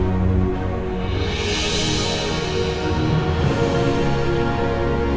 mama gak mau bantuin kamu